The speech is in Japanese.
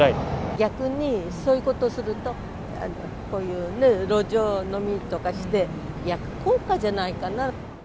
逆にそういうことをすると、こういうね、路上飲みとかして、逆効果じゃないかな。